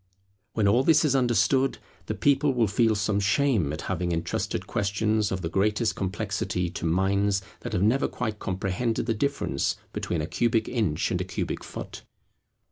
When all this is understood, the people will feel some shame at having entrusted questions of the greatest complexity to minds that have never quite comprehended the difference between a cubic inch and a cubic foot.